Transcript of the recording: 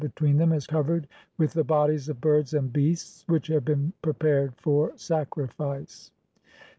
321 between them is covered with the bodies of birds and beasts which have been prepared for sacrifice.